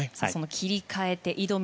切り替えて挑む